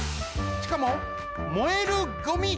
しかも燃えるゴミ。